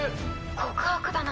告白だな。